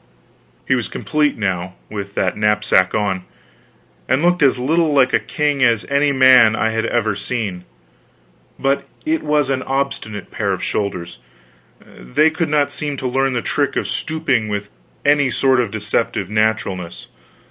He was complete now with that knapsack on, and looked as little like a king as any man I had ever seen. But it was an obstinate pair of shoulders; they could not seem to learn the trick of stooping with any sort of deceptive naturalness.